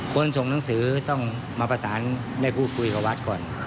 คนส่งหนังสือต้องมาปฏิสรรค์